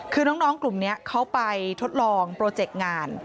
คือน้องกลุ่มนี้เขาไปทดลองโปรเจกต์งาน